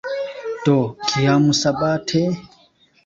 Do, kiam sabate?"